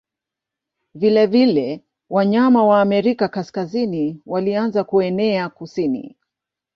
Vilevile wanyama wa Amerika Kaskazini walianza kuenea kusini.